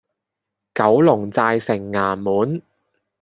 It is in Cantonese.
九龍寨城衙門